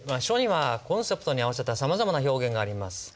書にはコンセプトに合わせたさまざまな表現があります。